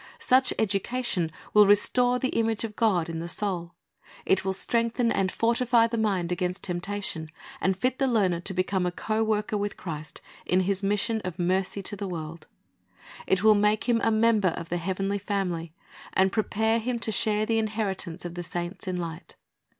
Such an education will restore the image of God in the soul. It will strengthen and fortify the mind against temptation, and fit the learner to become a co worker with Christ in His mission of mercy to the world. It will make him a member of the heavenly family, and prepare him to share the inheritance of the saints in light.